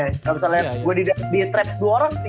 kalau misalnya gue di trap dua orang